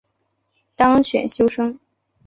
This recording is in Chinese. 当选修生